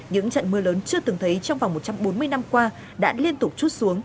những trận mưa lớn chưa từng thấy trong vòng một trăm bốn mươi năm qua đã liên tục chút xuống